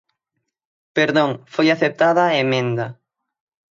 Perdón, foi aceptada a emenda.